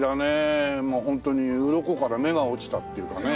ホントにうろこから目が落ちたっていうかね。